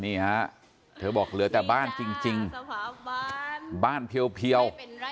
นี่ฮะเธอบอกเหลือแต่บ้านจริงบ้านเพียว